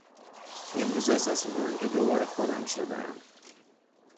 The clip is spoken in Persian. امروز احساس میکنم که دوباره خودم شدهام.